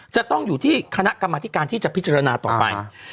จะต้องอยู่ที่คณะกรรมธิการที่จะพิจารณาต่อไป